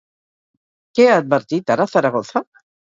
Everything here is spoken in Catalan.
Què ha advertit ara Zaragoza?